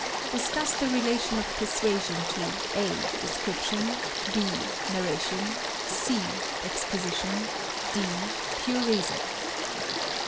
Discuss the relation of persuasion to (a) description; (b) narration; (c) exposition; (d) pure reason.